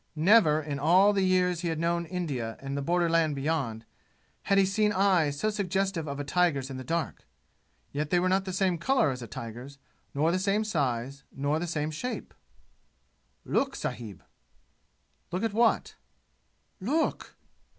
Never, in all the years he had known India and the borderland beyond, had he seen eyes so suggestive of a tiger's in the dark! Yet they were not the same color as a tiger's, nor the same size, nor the same shape! "Look, sahib!" "Look at what?" "Look!"